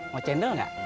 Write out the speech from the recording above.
mau cendol nggak